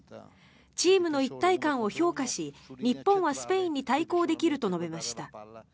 チームの一体感を評価し日本はスペインに対抗できると述べました。